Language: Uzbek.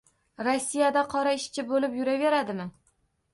Rossiyada qora ishchi bo‘lib yuraveradimi?